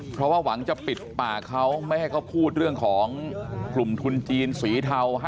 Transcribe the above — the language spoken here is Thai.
เพราะว่าหวังจะปิดปากเขาไม่ให้เขาพูดเรื่องของกลุ่มทุนจีนสีเทา